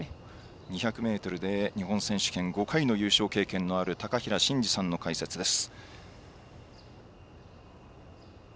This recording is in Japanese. ２００ｍで日本選手権５回の経験がある高平慎士さんの解説です。